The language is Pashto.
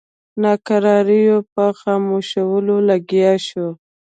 ناکراریو په خاموشولو لګیا شو.